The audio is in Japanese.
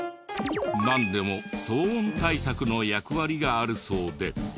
なんでも騒音対策の役割があるそうで。